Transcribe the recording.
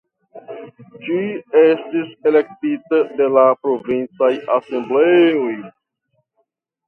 Ĝi estis elektita de la 'Provincaj Asembleoj'.